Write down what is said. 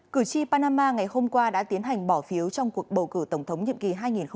cử tri panama ngày hôm qua đã tiến hành bỏ phiếu trong cuộc bầu cử tổng thống nhiệm kỳ hai nghìn hai mươi hai nghìn hai mươi năm